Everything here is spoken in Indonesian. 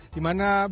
di mana beberapa